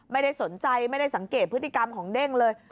ไม่ได้สนใจไม่ได้สังเกตพฤติกรรมของเด้งเลย